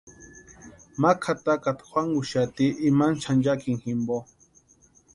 Ma kʼatakata juankuxati imani xanchakini jimpo.